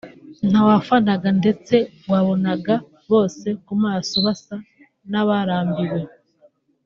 nta wafanaga ndetse wabonaga bose ku maso basa n’abarambiwe